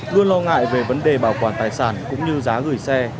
luôn lo ngại về vấn đề bảo quản tài sản cũng như giá gửi xe